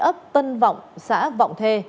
ấp tân vọng xã vọng thê